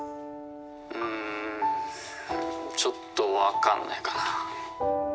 うんちょっと分かんないかな。